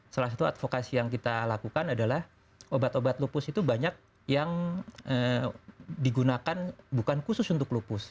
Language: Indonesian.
salah satu advokasi yang kita lakukan adalah obat obat lupus itu banyak yang digunakan bukan khusus untuk lupus